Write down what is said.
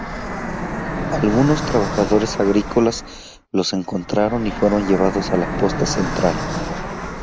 Algunos trabajadores agrícolas los encontraron y fueron llevados a la Posta Central.